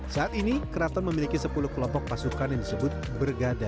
saat ini keraton memiliki sepuluh kelompok pasukan yang disebut bergada